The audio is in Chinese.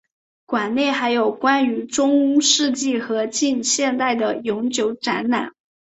馆内还有关于中世纪和近现代的永久展览。